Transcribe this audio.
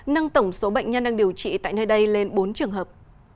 nâng tổng số bệnh nhân đang điều trị tại nơi đây lên bốn trường hợp